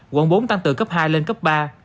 quận bốn tăng từ cấp hai lên cấp ba